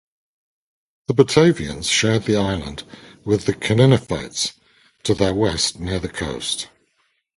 The Batavians shared the island with the Canninefates, to their west near the coast.